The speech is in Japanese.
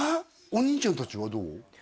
お兄ちゃん達はどう？